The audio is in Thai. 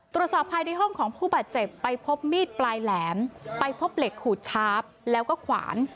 ตรวจสอบภายในห้องของผู้บาดเจ็บไปพบมีดปลายแหลมไปพบเหล็กขูดชาร์ฟแล้วก็ขวาน